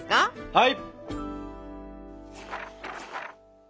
はい！